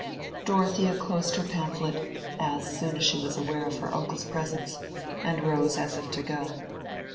Dorothea closed her pamphlet, as soon as she was aware of her uncle's presence, and rose as if to go.